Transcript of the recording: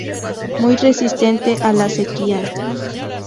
Muy resistente a la sequía.